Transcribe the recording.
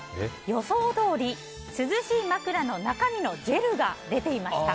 予想どおり涼しい枕の中身のジェルが出ていました。